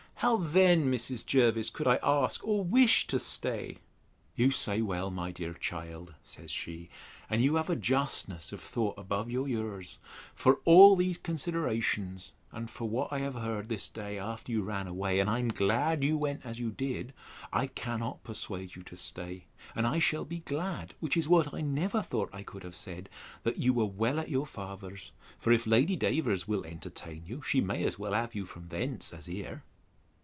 —How then, Mrs. Jervis, could I ask or wish to stay? You say well, my dear child, says she; and you have a justness of thought above your years; and for all these considerations, and for what I have heard this day, after you ran away, (and I am glad you went as you did,) I cannot persuade you to stay; and I shall be glad, (which is what I never thought I could have said,) that you were well at your father's; for if Lady Davers will entertain you, she may as well have you from thence as here.